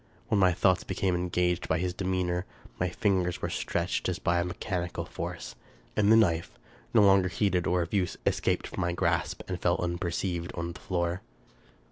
When my thoughts became engaged by his demeanor, my fingers were stretched as by a mechanical force, and the knife, no longer heeded or of use, escaped from my grasp and fell unperceived on the floor.